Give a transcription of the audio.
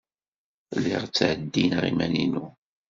Lliɣ ttheddineɣ iman-inu.